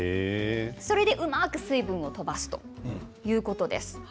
それでうまく水分を飛ばすということです。